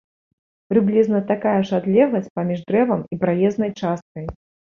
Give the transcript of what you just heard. Прыблізна такая ж адлегласць паміж дрэвам і праезнай часткай.